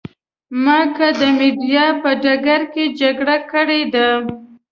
ما که د مېډیا په ډګر کې جګړه کړې ده.